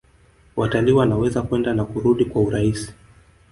Watalii wanaweza kwenda na kurudi kwa urahisi